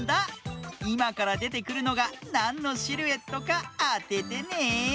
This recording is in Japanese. いまからでてくるのがなんのシルエットかあててね。